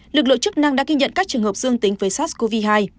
lực lượng chức năng đã ghi nhận các trường hợp dương tính với sars cov hai